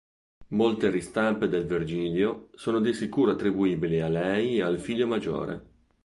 Molte ristampe del "Virgilio" sono di sicuro attribuibili a lei e al figlio maggiore.